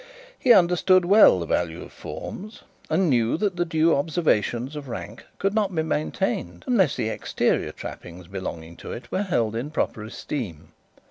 He understood well the value of forms, and knew that the due observations of rank could not be maintained unless the exterior trappings belonging to it were held in proper esteem.